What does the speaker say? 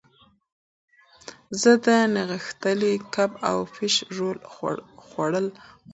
زه د نغښتلي کب او فش رول خوړل خوښوم.